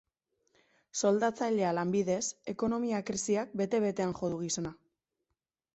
Soldatzailea lanbidez, ekonomia krisiak bete betean jo du gizona.